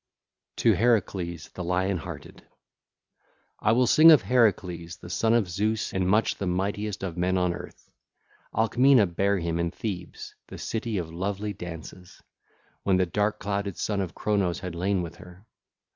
XV. TO HERACLES THE LION HEARTED (ll. 1 8) I will sing of Heracles, the son of Zeus and much the mightiest of men on earth. Alcmena bare him in Thebes, the city of lovely dances, when the dark clouded Son of Cronos had lain with her.